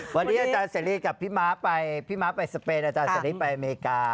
วันนี้อาจารย์เสรีกับพี่ม้าไปพี่ม้าไปสเปนอาจารย์เสรีไปอเมริกา